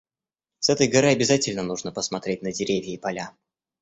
С этой горы обязательно нужно посмотреть на деревья и поля.